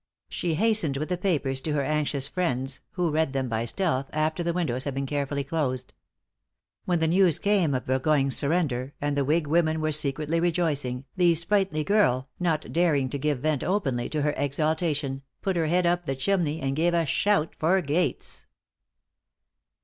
She hastened with the papers to her anxious friends, who read them by stealth, after the windows had been carefully closed. When the news came of Burgoyne's surrender, and the whig women were secretly rejoicing, the sprightly girl, not daring to give vent openly to her exultation, put her head up the chimney and gave a shout for Gates.